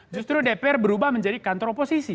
justru dpr berubah menjadi kantor oposisi